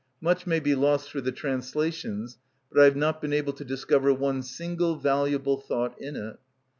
Much may be lost through the translations; but I have not been able to discover one single valuable thought in it.